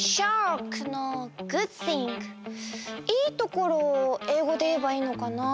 いいところをえいごでいえばいいのかなあ。